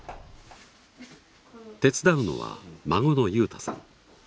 手伝うのは孫の友太さん。